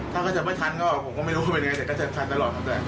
ถ้าจะไม่ทันก็ผมก็ไม่รู้ว่าเป็นอย่างไรแต่ก็จะทันตลอด